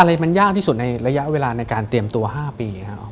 อะไรมันยากที่สุดในระยะเวลาในการเตรียมตัว๕ปีครับ